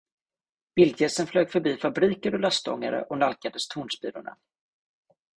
Vildgässen flög förbi fabriker och lastångare och nalkades tornspirorna.